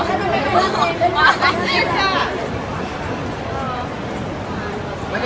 ช่องความหล่อของพี่ต้องการอันนี้นะครับ